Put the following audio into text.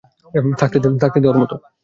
থাকতে দে ওর মতো।